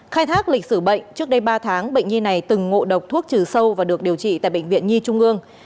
khai thác lịch sử bệnh trước đây ba tháng bệnh nhi này từng ngộ độc thuốc trừ sâu và được điều trị tại bệnh viện nhi trung ương